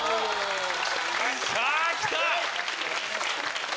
さぁ来た！